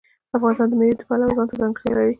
افغانستان د مېوې د پلوه ځانته ځانګړتیا لري.